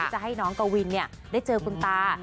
จะให้น้องกวินได้เจอคุณตา